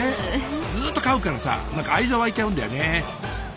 ずっと飼うからさなんか愛情湧いちゃうんだよね。